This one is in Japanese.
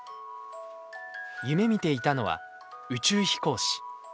夢みていたのは宇宙飛行士。